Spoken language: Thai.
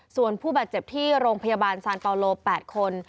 ส่วนผู้แบบเจ็บที่โรงพยาบาลสานตลอบ๘คน